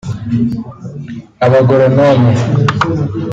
abagoronome